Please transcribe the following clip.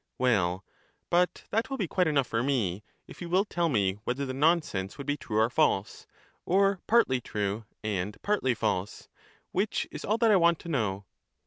Well, but that will be quite enough for me, if you will tell me whether the nonsense would be true or false, or 430 partly true and partly false :— which is all that I want to know.